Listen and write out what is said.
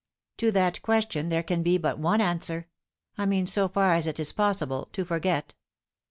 To that question there can but be one answer. I mean, so far as it is possible, to forget.